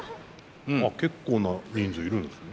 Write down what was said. あっ結構な人数いるんですね。